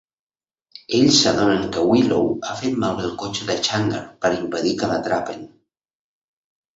Ells s'adonen que Willow ha fet malbé el cotxe de Xander per impedir que l'atrapin.